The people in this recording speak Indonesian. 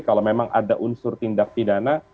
kalau memang ada unsur tindak pidana